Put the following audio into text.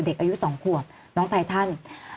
เด็กอายุ๒ขวบน้องไททัน